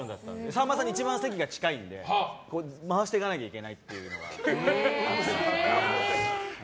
さんまさんに一番席が近いので回していかなきゃいけないっていうのが。